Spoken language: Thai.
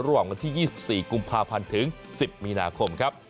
ระหว่างวันที่๒๔กุมภาพันธ์ถึง๑๐มีนาคมครับ